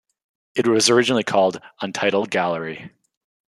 It was originally called Untitled Gallery.